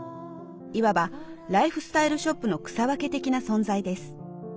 いわばライフスタイルショップの草分け的な存在です。